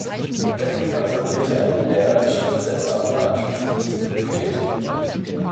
Wettig absolvierte eine Lehre als Schriftsetzer und war anschließend in diesem Beruf tätig.